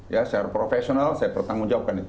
ya secara profesional saya bertanggung jawabkan itu